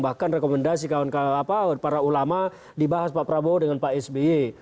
bahkan rekomendasi kawan kawan para ulama dibahas pak prabowo dengan pak sby